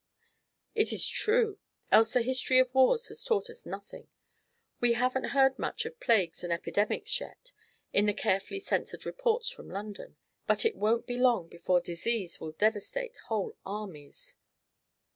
"It is true; else the history of wars has taught us nothing. We haven't heard much of plagues and epidemics yet, in the carefully censored reports from London, but it won't be long before disease will devastate whole armies."